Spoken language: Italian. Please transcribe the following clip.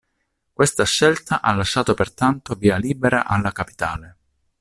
Questa scelta ha lasciato pertanto via libera alla capitale.